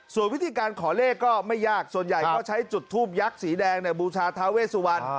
ส่วนวิธีการขอเลขก็ไม่ยากส่วนใหญ่ก็ใช้จุดทูปยักษ์สีแดงในบูชาทาเวสุวรรณ